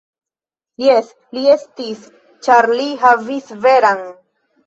Jes, li estis ĉar li havis veran.